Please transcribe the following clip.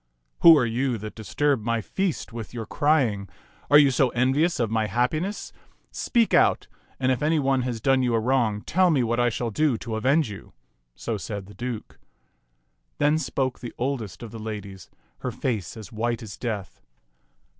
" Who are you that disturb my feast with your crying ? Are you so envious of my happiness ? Speak out, and if any one has done you a wrong, tell me what I shall do to avenge you." So said the Duke. Then spoke the oldest of the ladies, her face as white as death.